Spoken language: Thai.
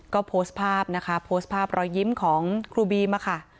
ก็โพสต์ภาพนะคะโพสต์ภาพรอยยิ้มของครูบีมค่ะ